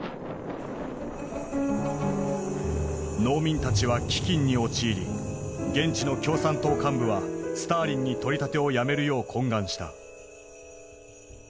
農民たちは飢饉に陥り現地の共産党幹部はスターリンに取り立てをやめるよう懇願した。